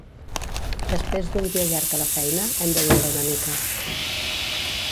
Després d'un dia llarg a la feina, hem de viure una mica.